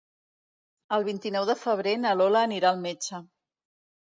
El vint-i-nou de febrer na Lola anirà al metge.